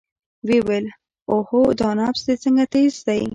ويې ويل اوهو دا نبض دې څنګه تېز دى.